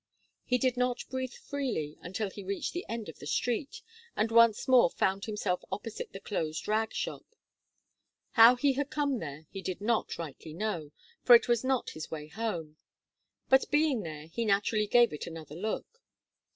He did not breathe freely until he reached the end of the street, and once more found himself opposite the closed rag shop. How he had come there, he did not rightly know; for it was not his way home. But, being there, he naturally gave it another look.